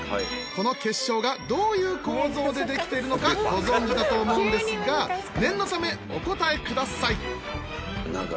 この結晶がどういう構造でできてるのかご存じだと思うんですが念のためお答えください！